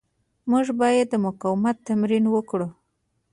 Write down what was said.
موږ باید د مقاومت تمرین وکړو.